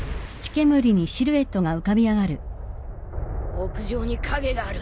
屋上に影がある。